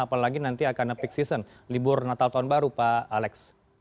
apalagi nanti akan peak season libur natal tahun baru pak alex